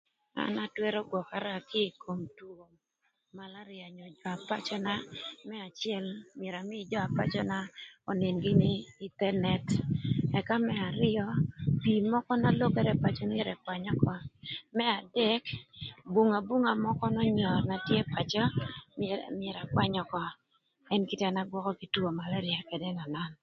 An atwërö gwökara kï ï kom two malaria ka pacöna më acël myero amïï jö apacöna önïn gïnï ï thë nët ëka më arïö pii mökö na lokere pacö myero ëkwany ökö, më adek bunga bunga mökö n'önyör na tye pacö myero akwany ökö ën gin na an agwökö kï two maleria ënönön.